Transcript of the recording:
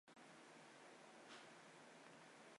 英国广场是克罗地亚首都萨格勒布的一个城市广场。